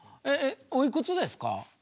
おいくつですか？